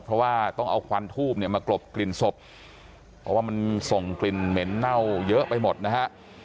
เพราะว่าต้องเอาควันทูบเนี่ยมากรบกลิ่นศพเพราะว่ามันส่งกลิ่นเหม็นเน่าเยอะไปหมดนะฮะ